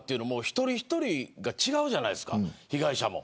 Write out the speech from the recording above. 一人一人違うじゃないですか被害者も。